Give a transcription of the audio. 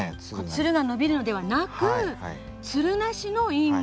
つるが伸びるのではなくつるなしのインゲン。